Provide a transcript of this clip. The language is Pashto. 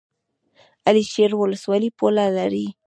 علي شیر ولسوالۍ پوله لري؟